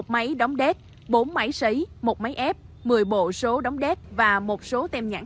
một máy đóng đét bốn máy xấy một máy ép một mươi bộ số đóng đét và một số tem nhãn